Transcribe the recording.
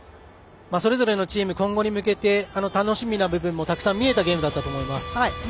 それぞれのチーム、今後に向けて楽しみな部分もたくさん見えたゲームだったかと思います。